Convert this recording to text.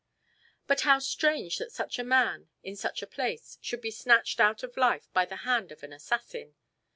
But how strange that such a man, in such a place, should be snatched out of life by the hand of an assassin!